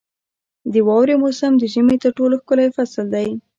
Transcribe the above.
• د واورې موسم د ژمي تر ټولو ښکلی فصل دی.